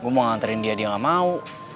gue mau nganterin dia dia gak mau